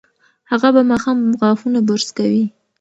هغه به ماښام غاښونه برس کوي.